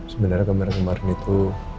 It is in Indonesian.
sebenarnya kemarin kemarin itu